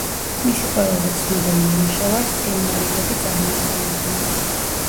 მისი ყველაზე ცნობილ ნამუშევარს სილმარილები წარმოადგენდნენ.